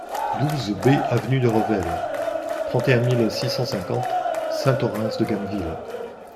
douze B aVENUE DE REVEL, trente et un mille six cent cinquante Saint-Orens-de-Gameville